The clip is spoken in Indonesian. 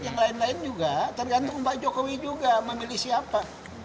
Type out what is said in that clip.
yang lain lain juga tergantung pak jokowi juga memilih siapa